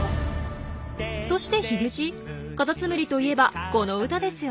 そしてヒゲじいカタツムリといえばこの歌ですよね。